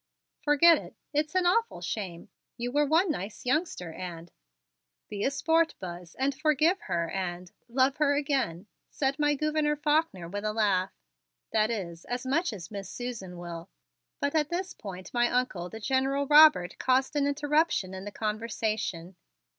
"Forget it! It is an awful shame, for you were one nice youngster and " "Be a sport, Buzz, and forgive her and love her again," said my Gouverneur Faulkner with a laugh. "That is, as much as Miss Susan will " But at this point my Uncle, the General Robert, caused an interruption in the conversation.